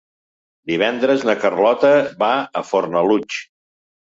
Divendres na Carlota va a Fornalutx.